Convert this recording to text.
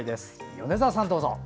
米澤さんどうぞ。